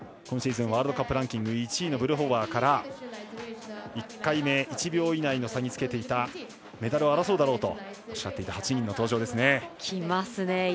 今シーズンワールドカップランキング１位のブルホバーから１回目、１秒以内の差につけていたメダルを争うだろうとおっしゃっていた８人の登場ですね。